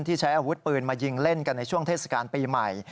ใช้อาวุธปืนมายิงเล่นกันในช่วงเทศกาลปีใหม่